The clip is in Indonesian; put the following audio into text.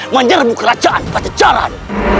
menyerbu kerajaan pasejaran